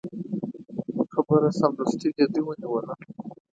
خبره سمدستي جدي ونیوله.